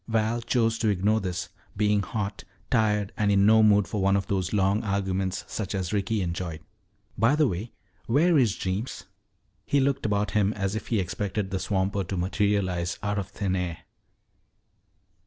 Val chose to ignore this, being hot, tired, and in no mood for one of those long arguments such as Ricky enjoyed. "By the way, where is Jeems?" He looked about him as if he expected the swamper to materialize out of thin air.